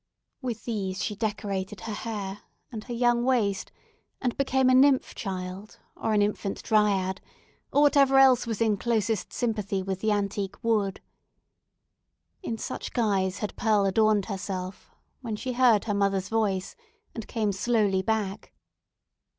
With these she decorated her hair and her young waist, and became a nymph child, or an infant dryad, or whatever else was in closest sympathy with the antique wood. In such guise had Pearl adorned herself, when she heard her mother's voice, and came slowly back.